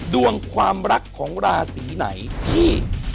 ดวงความรักของราศีไหนที่